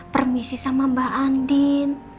permisi sama mbak andin